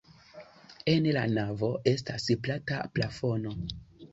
En la navo estas plata plafono.